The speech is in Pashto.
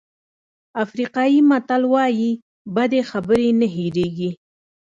افریقایي متل وایي بدې خبرې نه هېرېږي.